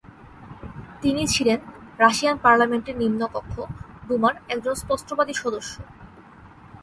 তিনি ছিলেন রাশিয়ান পার্লামেন্টের নিম্নকক্ষ ডুমার একজন স্পষ্টবাদী সদস্য।